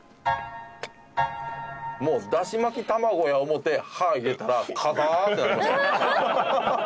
もうだし巻き卵や思て歯入れたら硬っってなりました。